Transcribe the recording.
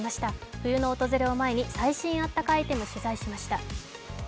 冬の訪れを前に最新あったかアイテムを取材しました。